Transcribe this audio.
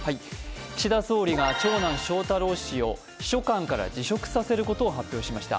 岸田総理が長男・翔太郎氏を秘書官から辞職させることが分かりました。